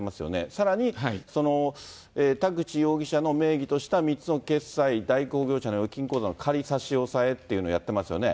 さらに、田口容疑者の名義とした３つの決済代行業者の預金口座を仮差し押さえというのをやってますよね。